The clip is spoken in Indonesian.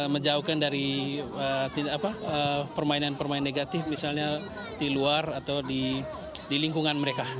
menjauhkan dari permainan permain negatif misalnya di luar atau di lingkungan mereka